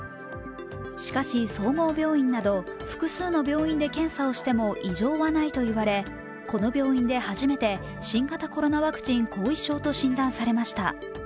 しかし、総合病院など複数の病院で検査しても異常はないと言われ、この病院で初めて新型コロナワクチン後遺症と診断されました。